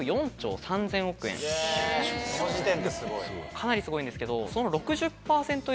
かなりすごいんですけど。